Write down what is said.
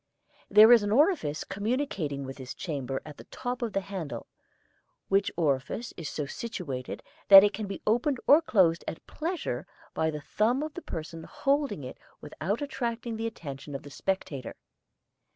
There is an orifice communicating with this chamber at the top of the handle, which orifice is so situated that it can be opened or closed at pleasure by the thumb of the person holding it without attracting the attention of the spectator.